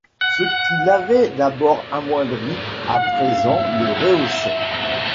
Ce qui l’avait d’abord amoindri, à présent le rehaussait.